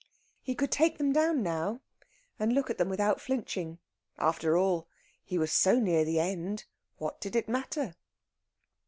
He could take them down now and look at them without flinching. After all, he was so near the end! What did it matter?